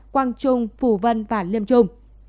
quang trung phủ vân và liêm trung